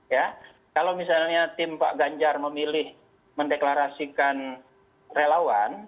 ya kalau misalnya tim pak ganjar memilih mendeklarasikan relawan